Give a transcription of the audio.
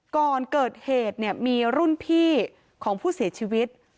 ก่อนเกิดเหตุเนี่ยมีรุ่นพี่ของผู้เสียชีวิต